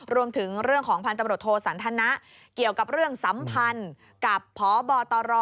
รวมถึงเรื่องของพันตำรวจโทสันทนะเกี่ยวกับเรื่องสัมพันธ์กับพบตร